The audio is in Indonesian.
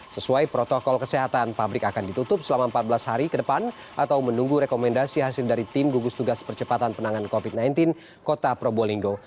sesuai protokol kesehatan pabrik akan ditutup selama empat belas hari ke depan atau menunggu rekomendasi hasil dari tim gugus tugas percepatan penanganan covid sembilan belas kota probolinggo